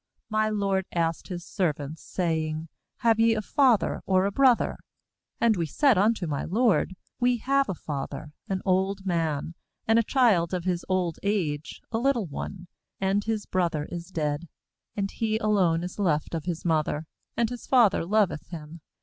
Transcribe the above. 19My lord asked his servants, saying: Have ye a father, or a brother? ,20And we said unto my lord: We have a father, an old man, and a child of his old age, a little one; and his brother is dead, and he alone is left of his mother, and his father loveth him.